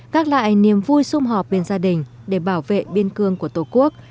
gác lại niềm vui xung họp bên gia đình để bảo vệ biên cương của tổ quốc